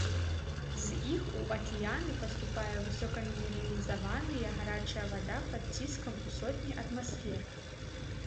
З іх у акіяны паступае высокамінералізаваныя гарачая вада пад ціскам ў сотні атмасфер.